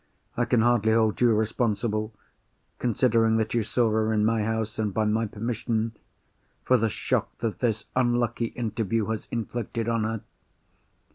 I can hardly hold you responsible—considering that you saw her in my house and by my permission—for the shock that this unlucky interview has inflicted on her.